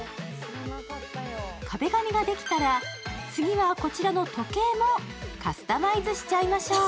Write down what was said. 壁紙ができたら、次はこちらの時計もカスタマイズしちゃいましょう。